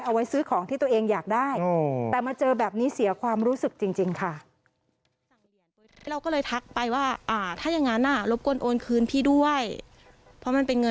เอาไว้ซื้อของที่ตัวเองอยากได้แต่มาเจอแบบนี้เสียความรู้สึกจริงค่ะ